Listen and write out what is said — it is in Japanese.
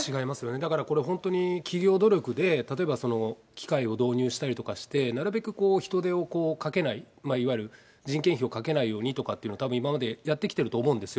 だからこれ、本当に企業努力で例えば機械を導入したりとかして、なるべく人手をかけない、いわゆる人件費をかけないようにとかっていうのはたぶん、今までやってきていると思うんですよ。